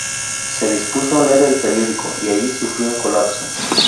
Se dispuso a leer el periódico, y allí sufrió un colapso.